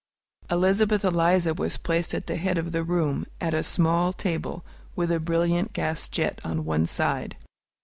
Elizabeth Eliza was placed at the head of the room, at a small table, with a brilliant gas jet on one side.